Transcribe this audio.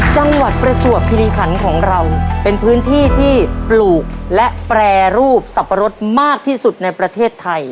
จังหวัดประจวบคิริขันของเราเป็นพื้นที่ที่ปลูกและแปรรูปสับปะรดมากที่สุดในประเทศไทย